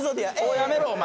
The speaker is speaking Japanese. やめろお前！